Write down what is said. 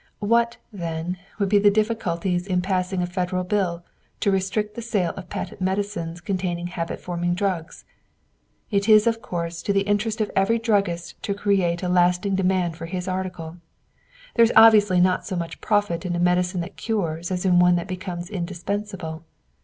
What, then, would be the difficulties in passing a Federal bill to restrict the sale of patent medicines containing habit forming drugs? It is of course to the interest of every druggist to create a lasting demand for his article. There is obviously not so much profit in a medicine that cures as in one that becomes indispensable.